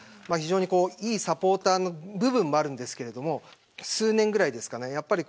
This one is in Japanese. いいサポーターの部分もあるんですけど数年ぐらいですかね